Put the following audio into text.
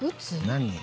「何？」